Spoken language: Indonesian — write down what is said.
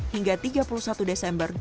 hingga tiga puluh satu juli